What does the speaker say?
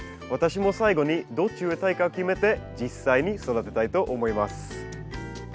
私も最後にどっち植えたいか決めて実際に育てたいと思います。